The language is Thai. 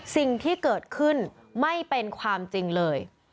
สิ่งที่เกิดขึ้นไม่เป็นความจริงเลย